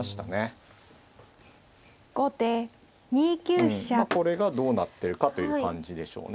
うんこれがどうなってるかという感じでしょうね。